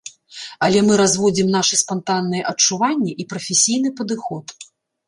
Але мы разводзім нашы спантанныя адчуванні і прафесійны падыход.